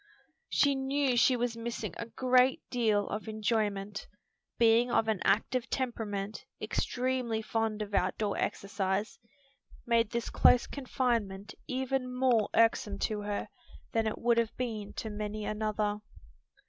She knew she was missing a great deal of enjoyment. Being of an active temperament, extremely fond of out door exercise, made this close confinement even more irksome to her than it would have been to many another.